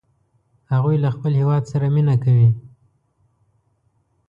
هغوی له خپل هیواد سره مینه کوي